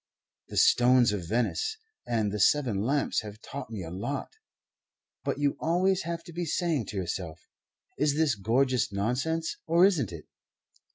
'The Stones of Venice' and 'The Seven Lamps' have taught me a lot. But you always have to be saying to yourself, 'Is this gorgeous nonsense or isn't it?'